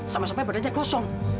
sama sama badannya kosong